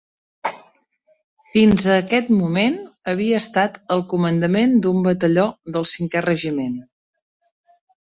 Fins a aquest moment havia estat al comandament d'un batalló del Cinquè Regiment.